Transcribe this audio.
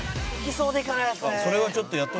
そうでいかないですね。